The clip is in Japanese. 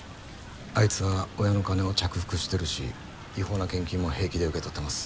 アイツは親の金を着服してるし違法な献金も平気で受け取ってます。